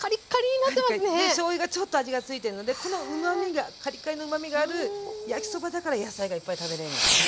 でしょうゆがちょっと味がついてるのでこのうまみがカリカリのうまみがある焼きそばだから野菜がいっぱい食べれるんですね。